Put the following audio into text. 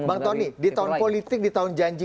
bang tony di tahun politik di tahun janji